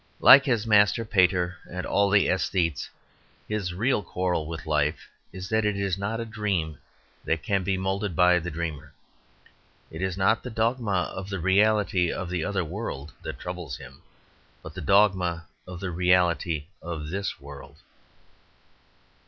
Like his master Pater and all the aesthetes, his real quarrel with life is that it is not a dream that can be moulded by the dreamer. It is not the dogma of the reality of the other world that troubles him, but the dogma of the reality of this world.